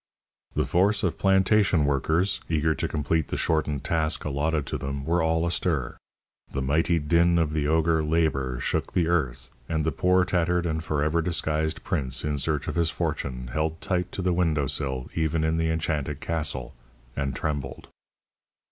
The force of plantation workers, eager to complete the shortened task allotted to them, were all astir. The mighty din of the ogre Labour shook the earth, and the poor tattered and forever disguised Prince in search of his fortune held tight to the window sill even in the enchanted castle, and trembled.